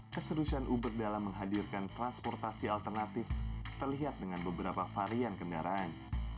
keseriusan uber dalam menghadirkan transportasi alternatif terlihat dengan beberapa varian kendaraan